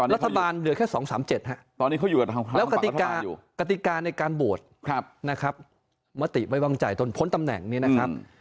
รัฐบาลเหลือแค่๒๓๗ครับแล้วกฎิกาในการโบวทมติไว้วางใจตนพ้นตำแหน่งนี้นะครับ